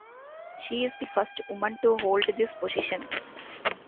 She is the first woman to hold this position.